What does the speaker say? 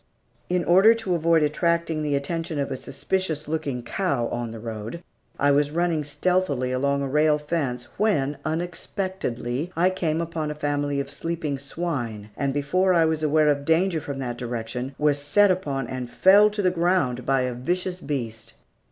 In order to avoid attracting the attention of a suspicious looking cow on the road, I was running stealthily along a rail fence, when, unexpectedly, I came upon a family of sleeping swine, and before I was aware of danger from that direction was set upon and felled to the ground by a vicious beast.